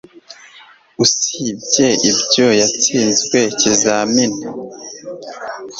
Usibye ibyo yatsinzwe ikizamini